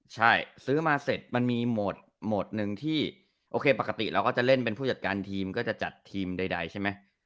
ใช่ซื้อมาเสร็จมันมีโหมดหนึ่งที่โอเคปกติเราก็จะเล่นเป็นผู้จัดการทีมก็จะจัดทีมใดใช่ไหม